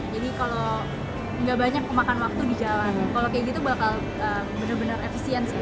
jadi kalau gak banyak kemakan waktu di jalan kalau kayak gitu bakal bener bener efisien sih